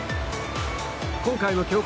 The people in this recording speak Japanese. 今回の強化